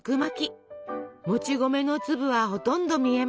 もち米の粒はほとんど見えません。